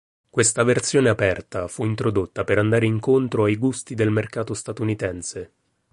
Questa versione aperta fu introdotta per andare incontro ai gusti del mercato statunitense.